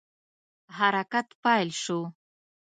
حرکت پیل شو.